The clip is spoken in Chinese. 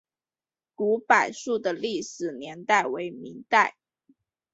古柏树的历史年代为明代。